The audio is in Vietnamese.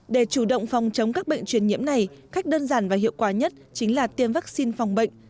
để chủ động phòng chống các bệnh truyền nhiễm này cách đơn giản và hiệu quả nhất chính là tiêm vaccine phòng bệnh